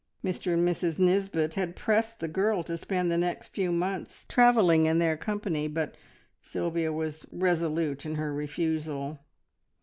Mr and Mrs Nisbet had pressed the girl to spend the next few months travelling in their company, but Sylvia was resolute in her refusal.